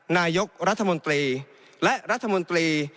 นายกรัฐมนตรีและรัฐมนตรี